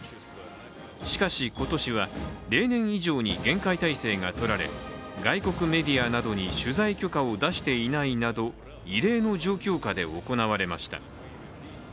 しかし今年は、例年以上に厳戒態勢が取られ外国メディアなどに取材許可を出していないなど異例の状況下で行われました。